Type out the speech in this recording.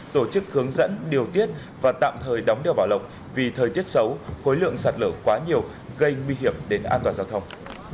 tổ chức hướng dẫn điều tiết và tạm thời đóng đèo bảo lộc vì thời tiết xấu khối lượng sạt lở quá nhiều gây nguy hiểm đến an toàn giao thông